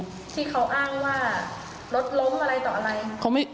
ที่เขาอ้างว่ารถล้มอะไรต่ออะไร